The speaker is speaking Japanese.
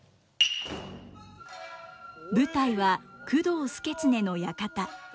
舞台は工藤祐経の館。